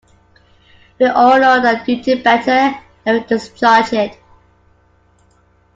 We all know our duty better than we discharge it.